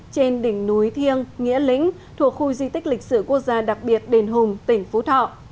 trên đỉnh núi thiêng nghĩa lĩnh thuộc khu di tích lịch sử quốc gia đặc biệt đền hùng tỉnh phú thọ